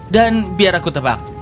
dan biar aku tebak